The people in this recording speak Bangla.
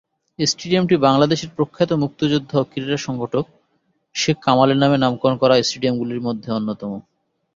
স্টেডিয়ামটি বাংলাদেশের প্রখ্যাত মুক্তিযোদ্ধা ও ক্রীড়া সংগঠক শেখ কামালের নামে নামকরণ করা স্টেডিয়াম গুলির মধ্যে অন্যতম।